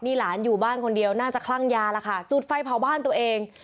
นี่หลานอยู่บ้านคนเดียวน่าจะคลั่งยาแล้วค่ะจุดไฟเผาบ้านตัวเอง